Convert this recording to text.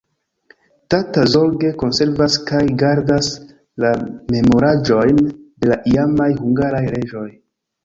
Tata zorge konservas kaj gardas la memoraĵojn de la iamaj hungaraj reĝoj.